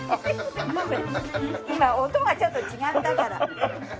今音がちょっと違ったから。